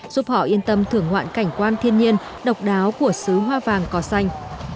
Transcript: giúp họ yên tâm thưởng ngoạn cảnh quan thiên nhiên độc đáo của xứ hoa vàng cỏ xanh